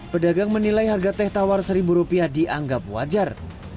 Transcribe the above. pedagang menilai harga teh tawar seribu rupiah dianggap wajar